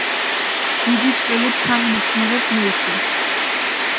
დიდი წვლილი ფრანგ მეცნიერებს მიუძღვით.